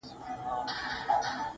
چي تا به وغوښتل ما هغه دم راوړل گلونه_